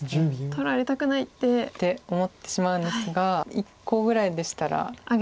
取られたくないって。って思ってしまうんですが１個ぐらいでしたらあげても。